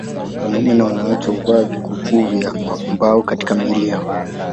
Wanaume na wanawake huvaa vikuku vya mbao katika miili yao